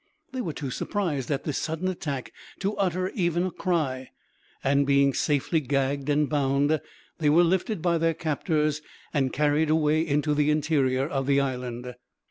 They were too surprised at this sudden attack to utter even a cry; and, being safely gagged and bound, they were lifted by their captors, and carried away into the interior of the island.